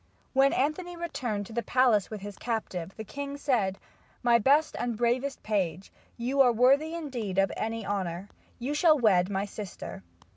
When Anthony returned to the palace with his captive, the king said: "My best and bravest page, you are worthy indeed of any honor. You shall wed my sister."